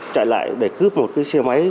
chạy lại để cướp một cái xe máy